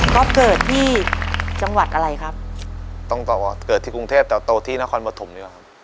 ก็เกิดที่จังหวัดอะไรครับต้องตอบว่าเกิดที่กรุงเทพเติบโตที่นครปฐมดีกว่าครับ